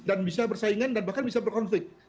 dan bisa bersaingan dan bahkan bisa berkonflik